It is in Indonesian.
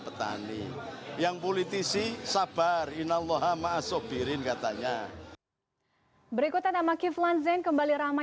petani yang politisi sabar inalloha maasobirin katanya berikutan sama kiflan zain kembali ramai